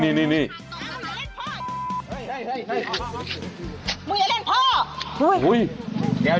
มึงอย่าเล่นพ่อ